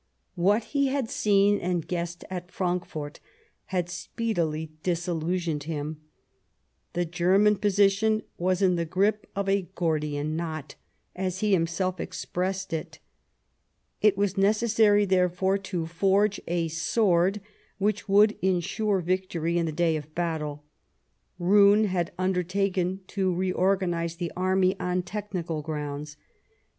What he had seen and guessed at Frankfort had speedily disillusioned him ; the German posi tion was in the grip of a " Gordian Knot," as he himself expressed it. It was necessary, therefore, to forge a sword which would ensure victory in the day of battle. Roon had undertaken to reorganize the army on technical grounds.